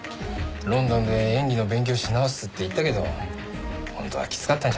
ロンドンで演技の勉強し直すって行ったけど本当はきつかったんじゃないの？